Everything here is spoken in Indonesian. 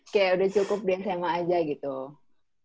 kayak udah cukup di sma aja gitu